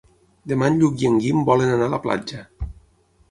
Demà en Lluc i en Guim volen anar a la platja.